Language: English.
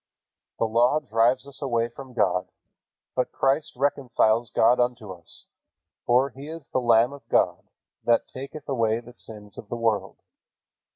The Law drives us away from God, but Christ reconciles God unto us, for "He is the Lamb of God, that taketh away the sins of the world."